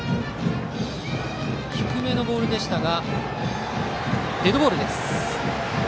低めのボールでしたがデッドボールです。